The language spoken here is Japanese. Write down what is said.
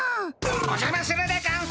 おじゃまするでゴンス！